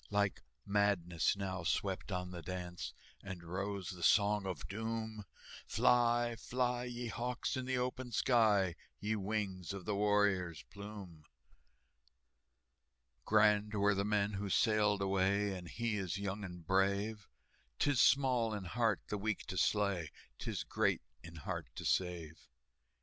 Like madness now swept on the dance, And rose the Song of Doom, "Fly, fly, ye hawks, in the open sky, Ye wings of the warrior's plume!" "Grand were the men who sailed away, And he is young and brave; 'Tis small in heart the weak to slay, 'Tis great in heart to save."